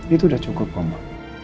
itu sudah cukup mama